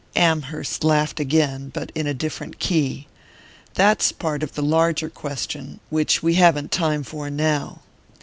Amherst laughed again, but in a different key. "That's part of the larger question, which we haven't time for now."